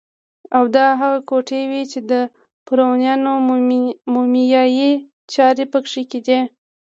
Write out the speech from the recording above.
او دا هغه کوټې وې چې د فرعونیانو مومیایي چارې پکې کېدې.